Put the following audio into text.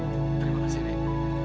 terima kasih nek